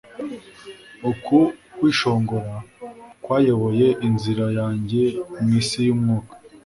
Uku kwishongora kwayoboye inzira yanjye mwisi yumwuka